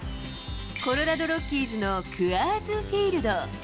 コロラドロッキーズのクアーズフィールド。